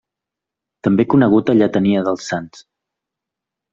També conegut a lletania dels sants.